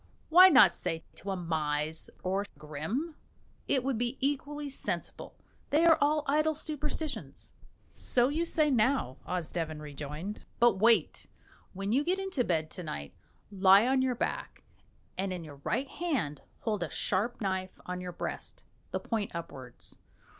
Why not say to a mise or grim? It would be equally sensible; they are all idle superstitions." "So you say now," Osdeven rejoined, "but wait! When you get into bed to night, lie on your back, and in your right hand hold a sharp knife on your breast, the point upwards.